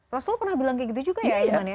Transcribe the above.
rasul pernah bilang kayak gitu juga ya ayah